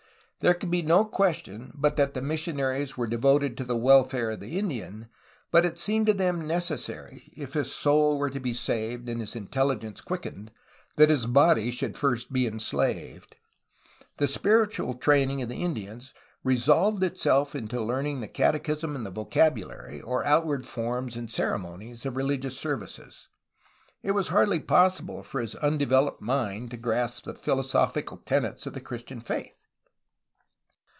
There can be no question but that the missionaries were devoted to the welfare of the Indian, but it seemed to them necessary, if his soul were to be saved and his intelligence quickened, that his body should first be enslaved. The spiritual training of the Indian resolved itself into learning the catechism and the vocabulary, or outward forms and ceremonies, of religious services; it was hardly possible for his undeveloped mind to grasp the philosophical tenets of OVERLAND ADVANCE TO THE CALIFORNIA BORDER 153 the Christian faith.